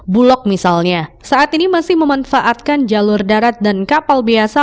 bulog misalnya saat ini masih memanfaatkan jalur darat dan kapal biasa